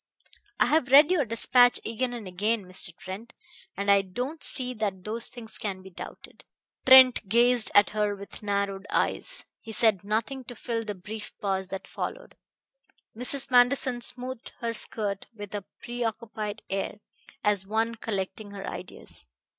I have read your despatch again and again, Mr. Trent, and I don't see that those things can be doubted." Trent gazed at her with narrowed eyes. He said nothing to fill the brief pause that followed. Mrs. Manderson smoothed her skirt with a preoccupied air, as one collecting her ideas.